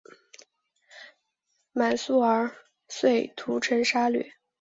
满速儿遂屠城杀掠。